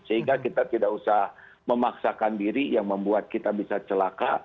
sehingga kita tidak usah memaksakan diri yang membuat kita bisa celaka